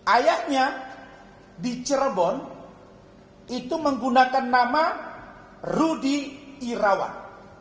ayahnya di cirebon itu menggunakan nama rudy irawan